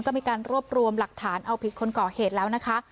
ก็มีการรวบรวมหลักฐานเอาผิดคนก่อเหตุแล้วนะคะ